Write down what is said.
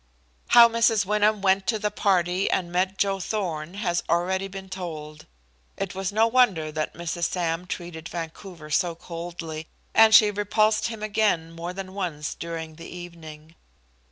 How Mrs. Wyndham went to the party and met Joe Thorn has already been told. It was no wonder that Mrs. Sam treated Vancouver so coldly, and she repulsed him again more than once during the evening.